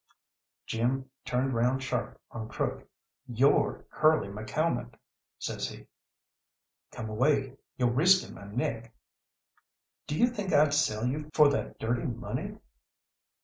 Jim turned round sharp on Crook. "You're Curly McCalmont!" says he. "Come away yo' risking my neck." "Do you think I'd sell you for that dirty money?"